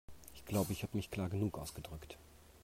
Ich glaube, ich habe mich klar genug ausgedrückt.